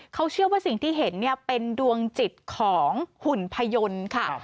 เขาเชื่อว่าสิ่งที่เห็นเนี่ยเป็นดวงจิตของหุ่นพยนตร์ค่ะ